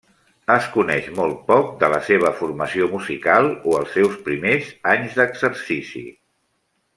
Es coneix molt poc de la seva formació musical o els seus primers anys d'exercici.